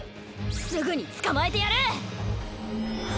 すぐにつかまえてやる！